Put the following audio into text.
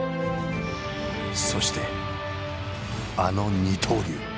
そしてあの二刀流。